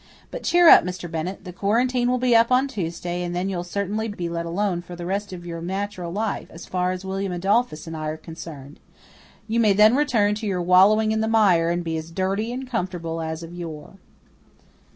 But cheer up, Mr. Bennett. The quarantine will be up on Tuesday and then you'll certainly be let alone for the rest of your natural life, as far as William Adolphus and I are concerned. You may then return to your wallowing in the mire and be as dirty and comfortable as of yore."